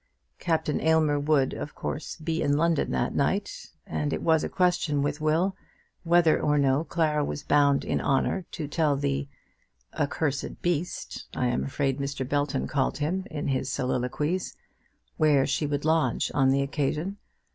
Captain Aylmer would, of course, be in London that night, and it was a question with Will whether or no Clara was not bound in honour to tell the accursed beast, I am afraid Mr. Belton called him in his soliloquies where she would lodge on the occasion.